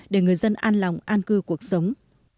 để người dân an lòng an cư cuộc sống